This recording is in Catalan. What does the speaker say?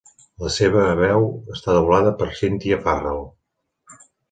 La seva veu està doblada per Cynthia Farrell.